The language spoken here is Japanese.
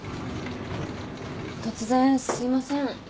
・突然すいません。